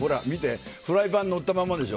フライパンにのったままでしょ。